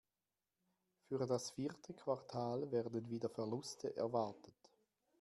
Für das vierte Quartal werden wieder Verluste erwartet.